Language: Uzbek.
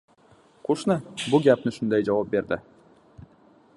Qoʻshni bu gapga shunday javob berdi: